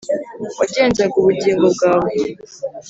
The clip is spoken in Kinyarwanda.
wagenzaga ubugingo bwawe.